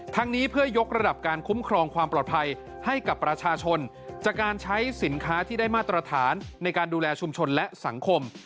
นี้เพื่อยกระดับการคุ้มครองความปลอดภัยให้กับประชาชนจากการใช้สินค้าที่ได้มาตรฐานในการดูแลชุมชนและสังคม